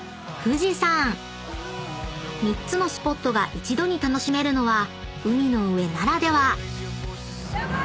［３つのスポットが１度に楽しめるのは海の上ならでは］